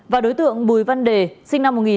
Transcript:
và đối tượng bùi văn đề sinh năm